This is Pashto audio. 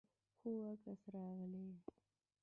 هو، عکس راغلی دی